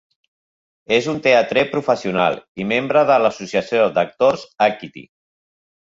És un teatre professional i membre de l'Associació d'Actors Equity.